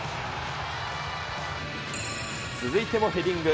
続いてもヘディング。